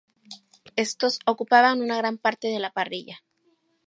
Estos ocupaban una gran parte de la parrilla.